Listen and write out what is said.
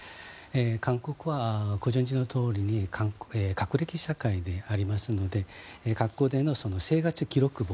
韓国はご存じのとおり学歴社会でありますので学校での生活記録簿